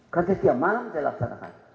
karena setiap malam saya laksanakan